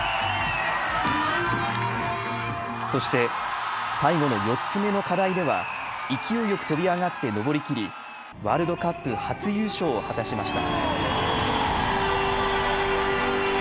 そして最後の４つ目の課題では勢いよく飛び上がって登りきりワールドカップ初優勝を果たしました。